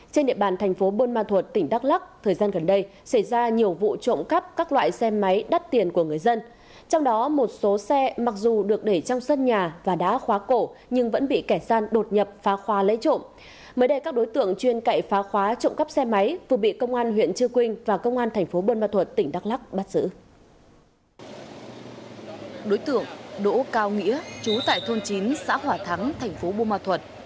đối tượng đỗ cao nghĩa trú tại thôn chín xã hỏa thắng thành phố bô ma thuật